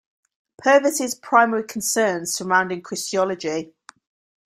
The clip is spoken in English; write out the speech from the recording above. Purves' primary concerns surround Christology.